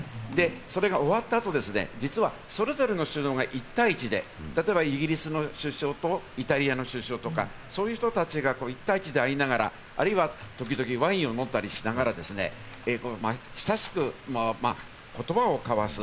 それが終わった後、実はそれぞれの首脳が１対１で、例えばイギリスの首相とイタリアの首相とか、そういう人たちが１対１で会いながら、あるいは時々ワインを飲んだりしながら、親しく言葉を交わす。